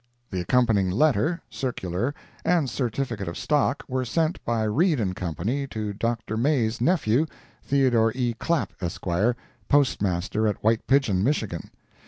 The accompanying letter, circular, and certificate of stock were sent by Read & Co. to Dr. May's nephew, Theodore E. Clapp, Esq., Postmaster at White Pigeon, Michigan.